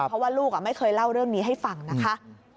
เพราะว่าลูกไม่เคยเล่าเรื่องนี้ให้ฟังนะคะ